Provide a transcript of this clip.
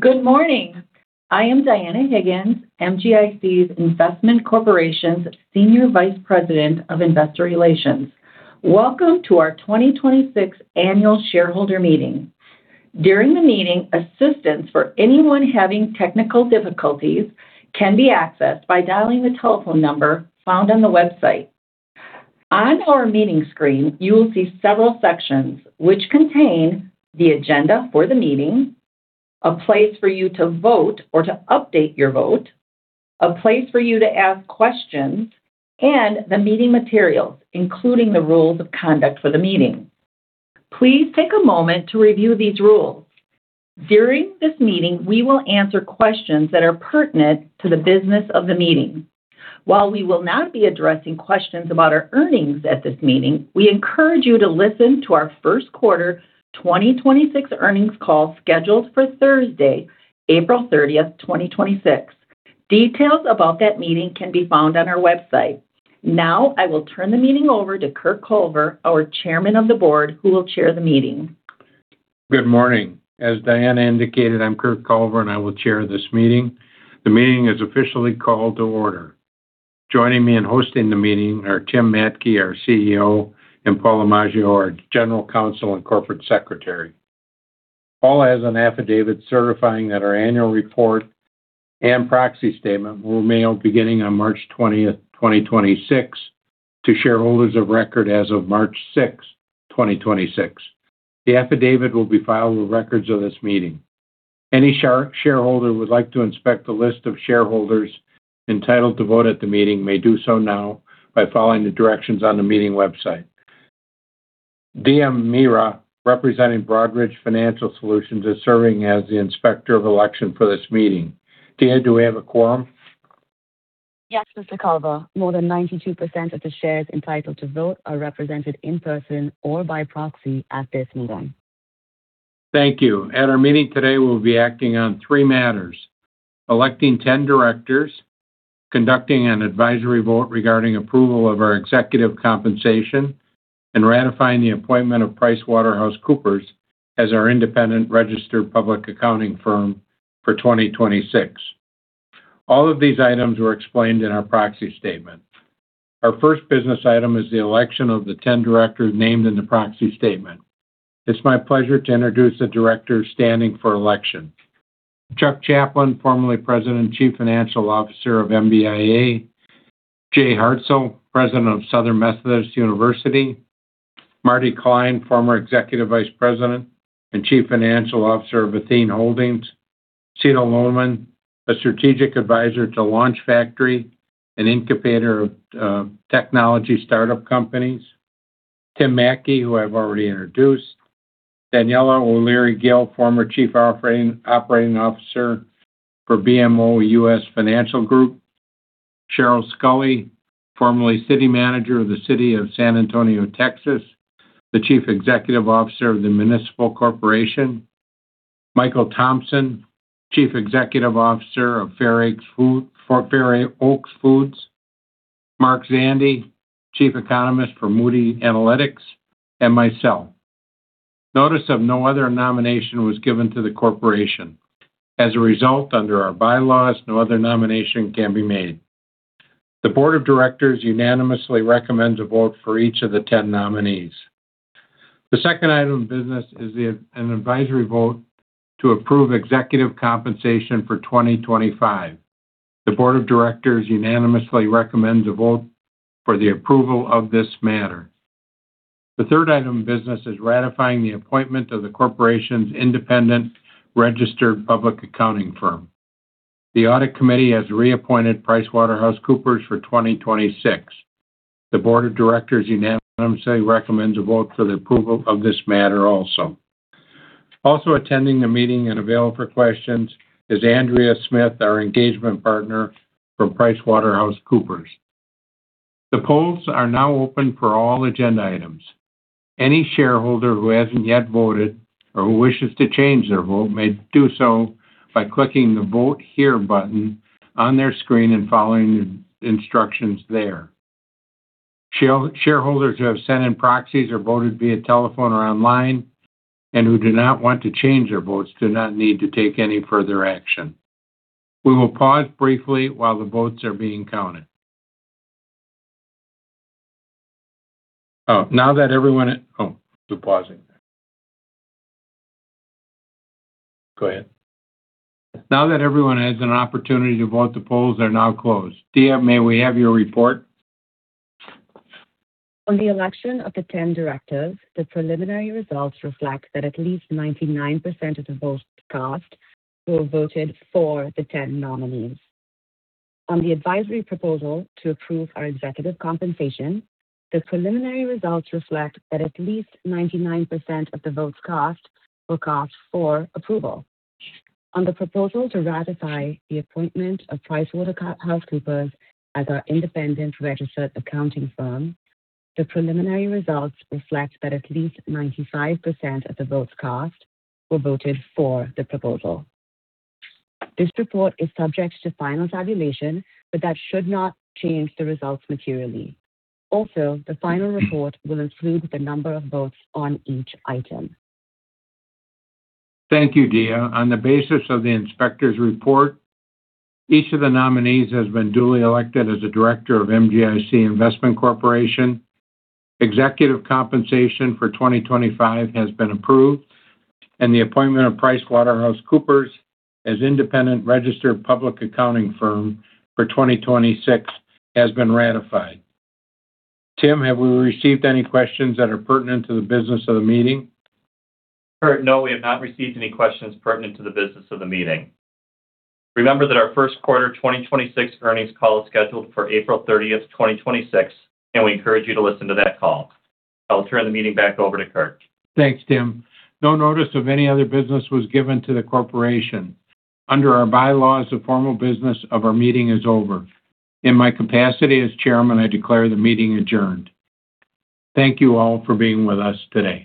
Good morning. I am Dianna Higgins, MGIC Investment Corporation's Senior Vice President of Investor Relations. Welcome to our 2026 Annual Shareholder Meeting. During the meeting, assistance for anyone having technical difficulties can be accessed by dialing the telephone number found on the website. On our meeting screen, you will see several sections which contain the agenda for the meeting, a place for you to vote or to update your vote, a place for you to ask questions, and the meeting materials, including the rules of conduct for the meeting. Please take a moment to review these rules. During this meeting, we will answer questions that are pertinent to the business of the meeting. While we will not be addressing questions about our earnings at this meeting, we encourage you to listen to our first quarter 2026 earnings call scheduled for Thursday, April 30, 2026. Details about that meeting can be found on our website. I will turn the meeting over to Curt S. Culver, our Chairman of the Board, who will chair the meeting. Good morning. As Dianna indicated, I'm Curt Culver, and I will chair this meeting. The meeting is officially called to order. Joining me in hosting the meeting are Tim Mattke, our CEO, and Paula Maggio, our General Counsel and Corporate Secretary. Paula has an affidavit certifying that our annual report and proxy statement were mailed beginning on March 20, 2026 to shareholders of record as of March 6, 2026. The affidavit will be filed with records of this meeting. Any shareholder who would like to inspect the list of shareholders entitled to vote at the meeting may do so now by following the directions on the meeting website. Diya Mira, representing Broadridge Financial Solutions, is serving as the Inspector of Election for this meeting. Diya, do we have a quorum? Yes, Mr. Culver. More than 92% of the shares entitled to vote are represented in person or by proxy at this meeting. Thank you. At our meeting today, we'll be acting on three matters: electing 10 directors, conducting an advisory vote regarding approval of our executive compensation, and ratifying the appointment of PricewaterhouseCoopers as our independent registered public accounting firm for 2026. All of these items were explained in our proxy statement. Our first business item is the election of the 10 directors named in the proxy statement. It's my pleasure to introduce the directors standing for election. Chuck Chapman, formerly President and Chief Financial Officer of MBIA. Jay Hartzell, President of Southern Methodist University. Marty Klein, former Executive Vice President and Chief Financial Officer of Athene Holdings. Seto Loman, a strategic advisor to Launch Factory, an incubator of technology startup companies. Tim Mattke, who I've already introduced. Daniela O'Leary Gill, former Chief Operating Officer for BMO U.S. Financial Group. Sheryl Sculley, formerly City Manager of the City of San Antonio, Texas, the Chief Executive Officer of the Municipal Corporation. Michael Thompson, Chief Executive Officer of Fair Oaks Foods. Mark Zandi, Chief Economist for Moody's Analytics, and myself. Notice of no other nomination was given to the corporation. As a result, under our bylaws, no other nomination can be made. The Board of Directors unanimously recommend to vote for each of the 10 nominees. The second item of business is an advisory vote to approve executive compensation for 2025. The Board of Directors unanimously recommend to vote for the approval of this matter. The third item of business is ratifying the appointment of the corporation's independent registered public accounting firm. The audit committee has reappointed PricewaterhouseCoopers for 2026. The Board of Directors unanimously recommend to vote for the approval of this matter also. Also attending the meeting and available for questions is Andrea Smith, our Engagement Partner from PricewaterhouseCoopers. The polls are now open for all agenda items. Any shareholder who hasn't yet voted or who wishes to change their vote may do so by clicking the Vote Here button on their screen and following the instructions there. Shareholders who have sent in proxies or voted via telephone or online and who do not want to change their votes do not need to take any further action. We will pause briefly while the votes are being counted. Now that everyone has an opportunity to vote, the polls are now closed. Diya, may we have your report? On the election of the 10 directors, the preliminary results reflect that at least 99% of the votes cast were voted for the 10 nominees. On the advisory proposal to approve our executive compensation, the preliminary results reflect that at least 99% of the votes cast were cast for approval. On the proposal to ratify the appointment of PricewaterhouseCoopers as our independent registered accounting firm, the preliminary results reflect that at least 95% of the votes cast were voted for the proposal. This report is subject to final tabulation, but that should not change the results materially. Also, the final report will include the number of votes on each item. Thank you, Diya. On the basis of the Inspector's report, each of the nominees has been duly elected as a director of MGIC Investment Corporation. Executive compensation for 2025 has been approved. The appointment of PricewaterhouseCoopers as independent registered public accounting firm for 2026 has been ratified. Tim, have we received any questions that are pertinent to the business of the meeting? Curt, no. We have not received any questions pertinent to the business of the meeting. Remember that our first quarter 2026 earnings call is scheduled for April 30, 2026, and we encourage you to listen to that call. I will turn the meeting back over to Curt. Thanks, Tim. No notice of any other business was given to the corporation. Under our bylaws, the formal business of our meeting is over. In my capacity as chairman, I declare the meeting adjourned. Thank you all for being with us today.